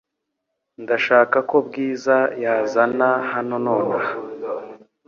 Ndashaka ko Bwiza yazana hano nonaha .